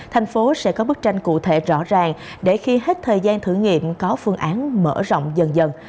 thành phố sẽ có bức tranh cụ thể rõ ràng để khi hết thời gian thử nghiệm có phương án mở rộng dần dần